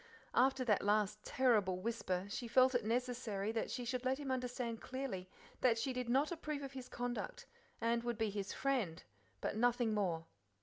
After that last terrible whisper, she felt it necessary that she should let him understand clearly that she did not approve of his conduct, and would be "his friend," but nothing more.